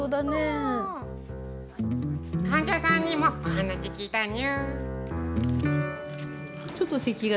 患者さんにもお話し聞いたにゅ。